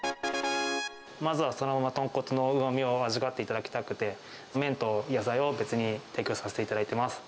まずはそのまま豚骨のうまみを味わっていただきたくて、麺と野菜を別に提供させていただいてます。